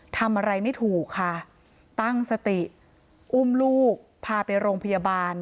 ทำอะไรไม่ถูกค่ะตั้งสติอุ้มลูกพาไปโรงพยาบาล